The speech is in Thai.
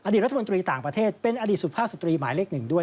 รัฐมนตรีต่างประเทศเป็นอดีตสุภาพสตรีหมายเลขหนึ่งด้วย